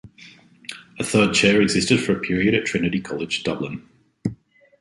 A third chair existed for a period at Trinity College, Dublin.